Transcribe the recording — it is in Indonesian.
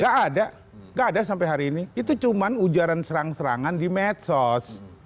gak ada gak ada sampai hari ini itu cuma ujaran serang serangan di medsos